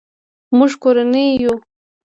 مونږ کورنۍ یو